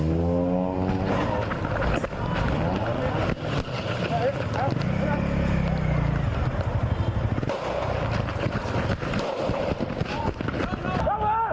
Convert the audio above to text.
รอมา